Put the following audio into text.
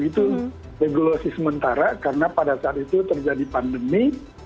itu regulasi sementara karena pada saat itu terjadi pandemi